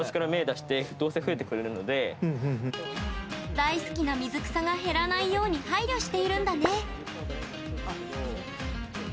大好きな水草が減らないように配慮しているんだね。